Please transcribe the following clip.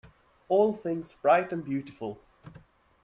All things bright and beautiful.